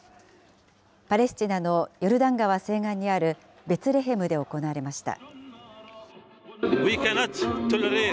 パレスチナのヨルダン川西岸にあるベツレヘムで行われました。